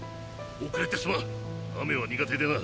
遅れてスマン雨は苦手でな。